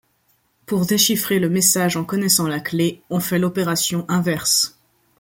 Pour déchiffrer le message en connaissant la clé, on fait l'opération inverse.